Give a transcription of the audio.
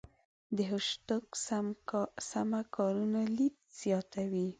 د هشتګ سمه کارونه لید زیاتوي.